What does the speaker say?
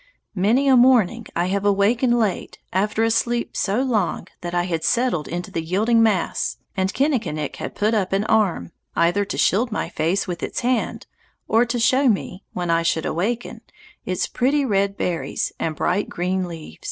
Many a morning I have awakened late after a sleep so long that I had settled into the yielding mass and Kinnikinick had put up an arm, either to shield my face with its hand, or to show me, when I should awaken, its pretty red berries and bright green leaves.